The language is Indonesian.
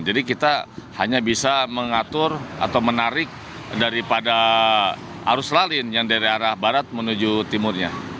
jadi kita hanya bisa mengatur atau menarik daripada arus lalin yang dari arah barat menuju timurnya